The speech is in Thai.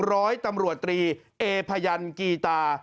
ร้อยตำรวจตรีเอพยันกีตา